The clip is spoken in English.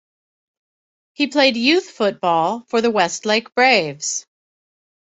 He played youth football for the Westlake Braves.